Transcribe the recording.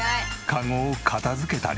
カゴを片付けたり。